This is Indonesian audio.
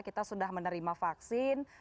kita sudah menerima vaksin